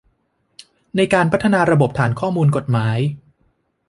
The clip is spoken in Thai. ในการพัฒนาระบบฐานข้อมูลกฎหมาย